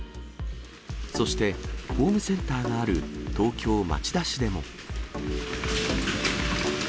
そしてホームセンターがある東京・町田市でも。